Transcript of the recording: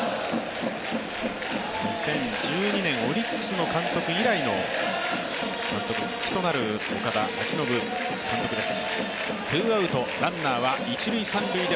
２０１２年オリックスの監督以来の監督復帰となる岡田彰布監督です。